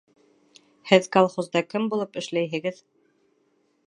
Һеҙ колхозда кем булып эшләйһегеҙ?